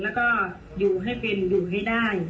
แล้วก็อยู่ให้เป็นอยู่ให้ได้